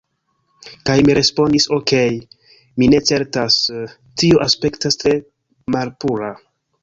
Kaj mi respondis, "Okej mi ne certas... tio aspektas tre malpura..."